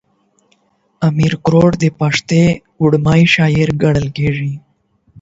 امير کروړ د پښتو ړومبی شاعر ګڼلی کيږي